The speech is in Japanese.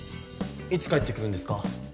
いつ帰ってくるんですか？